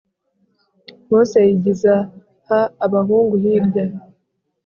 Mose yigiza ha abahungu hirya